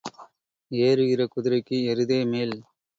ஏறுகிற குதிரைக்கு எருதே மேல்.